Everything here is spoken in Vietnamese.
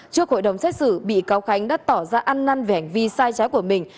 trước hội đồng xét xử bị cáo khánh đã tỏ ra ăn năn về hành vi sai trái của mình